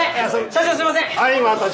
社長すいません！